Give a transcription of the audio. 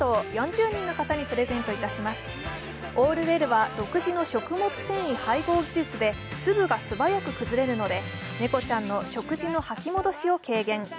「ＡｌｌＷｅｌｌ」は独自の食物繊維配合技術で粒が素早く崩れるので、猫ちゃんの吐き戻しを軽減します。